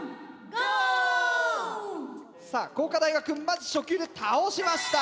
さぁ工科大学まず初球倒しました。